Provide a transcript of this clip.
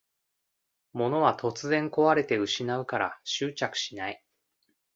物は突然こわれて失うから執着しない